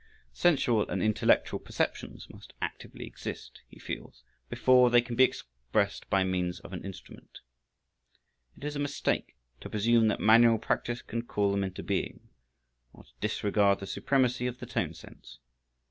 Sensual and intellectual perceptions must actively exist, he feels, before they can be expressed by means of an instrument. It is a mistake to presume that manual practice can call them into being, or to disregard the supremacy of the tone sense.